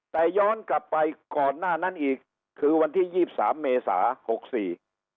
แต่ย้อนกลับไปก่อนหน้านั้นอีกคือวันที่ยี่สิบสามเมษาหกสี่